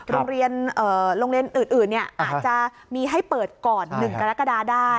โรงเรียนอื่นอาจจะมีให้เปิดก่อน๑กรกฎาได้